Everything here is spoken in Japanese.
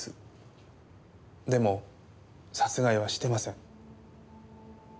でも殺害はしてません。